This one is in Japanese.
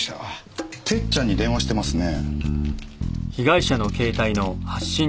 「てっちゃん」に電話してますね。